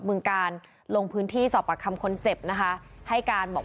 เมืองกาลลงพื้นที่สอบปากคำคนเจ็บนะคะให้การบอก